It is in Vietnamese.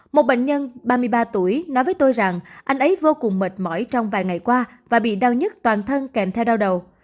một bệnh nhân ba mươi ba tuổi nói với tôi rằng anh ấy vô cùng mệt mỏi trong vài ngày qua và bị đau nhất toàn thân kèm theo đau đầu